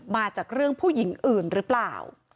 มาจากเรื่องผู้หญิงอื่นหรือเปล่า